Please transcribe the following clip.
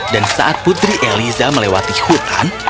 dan saat putri elisa melewati hutan